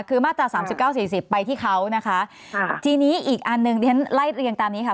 คือมาตราสามสิบเก้าสี่สิบไปที่เขานะคะค่ะทีนี้อีกอันหนึ่งที่ฉันไล่เรียงตามนี้ค่ะ